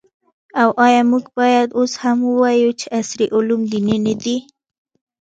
او آیا موږ باید اوس هم ووایو چې عصري علوم دیني نه دي؟